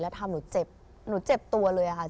แล้วทำหนูเจ็บหนูเจ็บตัวเลยค่ะ